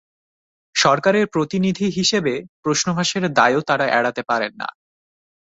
সরকারের প্রতিনিধি হিসেবে প্রশ্নফাঁসের দায়ও তাঁরা এড়াতে পারেন না।